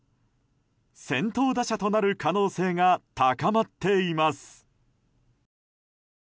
先頭打者となる可能性が高まっています。